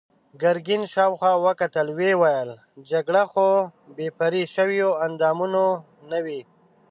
ګرګين شاوخوا وکتل، ويې ويل: جګړه خو بې پرې شويوو اندامونو نه وي.